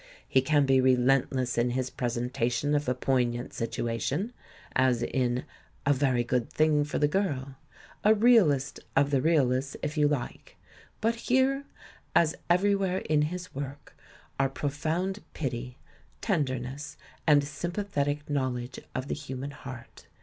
He can be relentless in his presentation of a poig nant situation, as in A Very Good Thing for the INTRODUCTION xv Girl, a realist of the realists if you like ; but here, as everywhere in his work, are profound pity, tenderness and sympathetic knowledge of the hu man heart.